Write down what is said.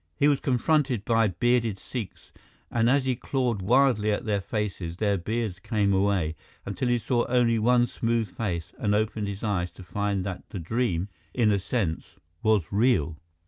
He was confronted by bearded Sikhs and as he clawed wildly at their faces, their beards came away, until he saw only one smooth face and opened his eyes to find that the dream, in a sense, was real.